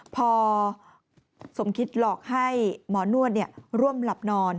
พอสมคิดหลอกให้หมอนวดร่วมหลับนอน